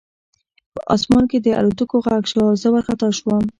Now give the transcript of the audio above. په آسمان کې د الوتکو غږ شو او زه وارخطا شوم